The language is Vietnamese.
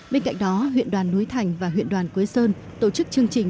bên cạnh đó huyện đoàn núi thành và huyện đoàn quế sơn tổ chức chương trình